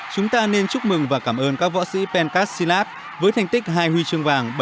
chúng ta nên chúc mừng và cảm ơn các võ sĩ pencastilat với thành tích hai huy chương vàng